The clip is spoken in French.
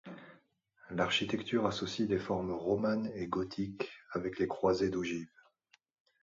L'architecture associe des formes romanes et gothiques avec les croisées d'ogives.